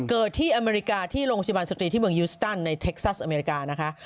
เกิดที่อเมริกาที่โรงพยาบาลสตรีที่เมืองยูสตันในเท็กซัสอเมริกานะคะ